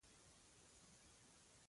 تاسې ټوله پړه په ما را اچوئ دا بد کار دی.